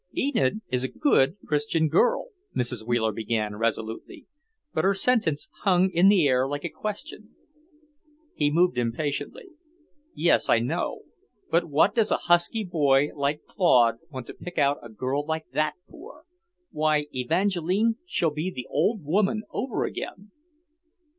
"Enid is a good, Christian girl..." Mrs. Wheeler began resolutely, but her sentence hung in the air like a question. He moved impatiently. "Yes, I know. But what does a husky boy like Claude want to pick out a girl like that for? Why, Evangeline, she'll be the old woman over again!"